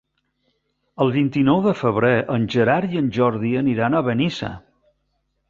El vint-i-nou de febrer en Gerard i en Jordi aniran a Benissa.